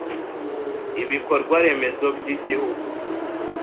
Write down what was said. Ibikorwa remezo by’igihugu